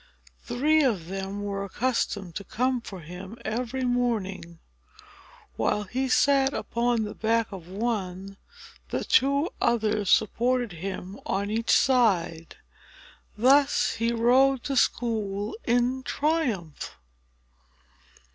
Three of them were accustomed to come for him, every morning; and while he sat upon the back of one, the two others supported him on each side, and thus he rode to school in triumph!